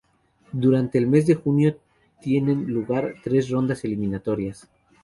Durante el mes de junio tienen lugar tres rondas eliminatorias.